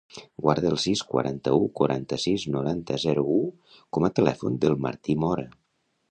Guarda el sis, quaranta-u, quaranta-sis, noranta, zero, u com a telèfon del Martí Mora.